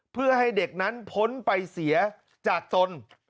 เพื่อให้เด็กนั้นพ้นไปเสียจากตน